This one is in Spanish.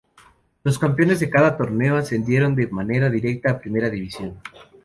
Los campeones de cada torneo ascendieron de manera directa a Primera División.